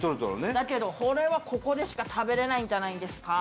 だけどこれはここでしか食べれないんじゃないんですか？